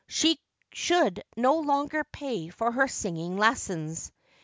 She should no longer pay for her singing lessons.